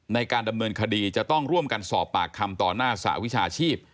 ในการดำเนินคดีจะต้องร่วมกันสอบปากคำต่อหน้าสหวิชาชีพ